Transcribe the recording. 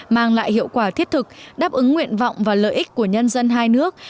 mang lại hiệu quả thiết thực đáp ứng nguyện vọng và lợi ích của nhân dân hai nước